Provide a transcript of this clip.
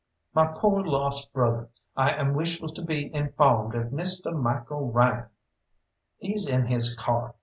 "My poor lost brother, I am wishful to be infawmed if Misteh Michael Ryan " "He's in his car.